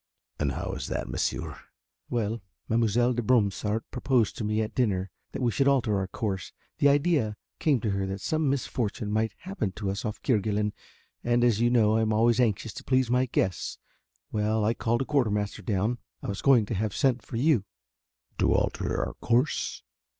"And how is that, monsieur?" "Well, Mademoiselle de Bromsart proposed to me at dinner that we should alter our course, the idea came to her that some misfortune might happen to us off Kerguelen and, as you know, I am always anxious to please my guests well, I called a quarter master down. I was going to have sent for you." "To alter our course?"